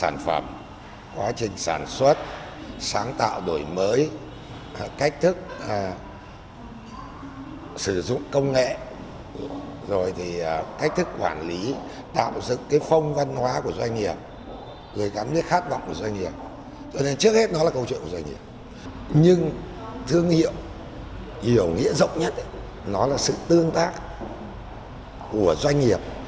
nhưng thương hiệu hiểu nghĩa rộng nhất là sự tương tác của doanh nghiệp